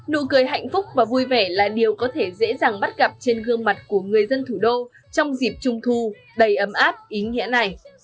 nụ cười hạnh phúc và vui vẻ là điều có thể dễ dàng bắt gặp trên gương mặt của người dân thủ đô trong dịp trung thu đầy ấm áp ý nghĩa này